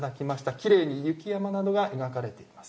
きれいに雪山などが描かれています。